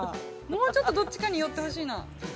もうちょっとどっちかに寄ってほしいなぁ。